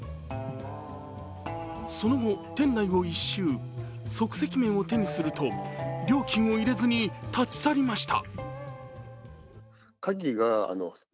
その後、店内を一周、即席麺を手にすると料金を入れずに立ち去りました。